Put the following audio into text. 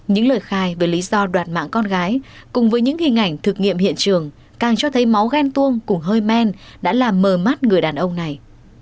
những lời khai với lý do đoạt mạng con gái cùng với những hình ảnh thực nghiệm hiện trường càng cho thấy máu gen tuông cùng hơi men đã làm mờ mắt người đàn ông này